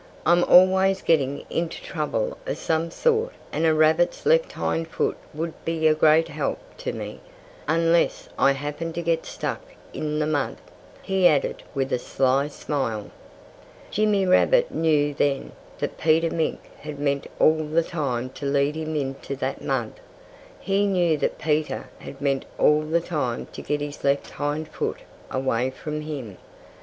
I'm always getting into trouble of some sort and a rabbit's left hind foot would be a great help to me unless I happened to get stuck in the mud," he added with a sly smile. Jimmy Rabbit knew then that Peter Mink had meant all the time to lead him into that mud. He knew that Peter had meant all the time to get his left hind foot away from him.